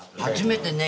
初めて。